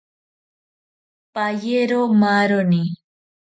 Payero maaroni.